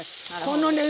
このね